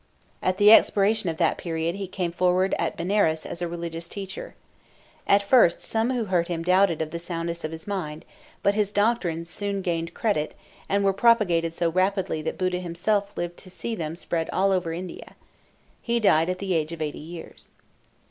At the expiration of that period he came forward at Benares as a religious teacher. At first some who heard him doubted of the soundness of his mind; but his doctrines soon gained credit, and were propagated so rapidly that Buddha himself lived to see them spread all over India. He died at the age of eighty years.